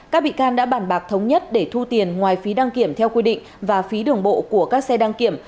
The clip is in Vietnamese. các bị can đã bản bạc thống nhất để thu tiền ngoài phí đăng kiểm theo quy định và phí đường bộ của các xe đăng kiểm